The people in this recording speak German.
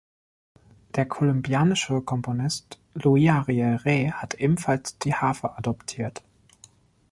Der kolumbianische Komponist Luis Ariel Rey hat ebenfalls die Harfe adoptiert.